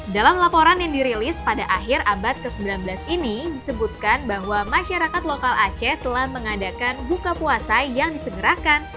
dalam laporan yang dirilis pada akhir abad ke sembilan belas ini disebutkan bahwa masyarakat lokal aceh telah mengadakan buka puasa yang disegerakan